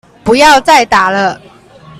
不要再打了